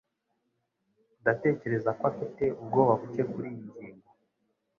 Ndatekereza ko afite ubwoba buke kuriyi ngingo.